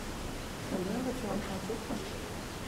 Combien vas-tu emprunter?